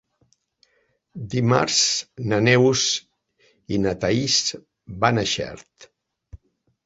Dimarts na Neus i na Thaís van a Xert.